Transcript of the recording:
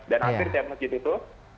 dan akhirnya tiap masjid itu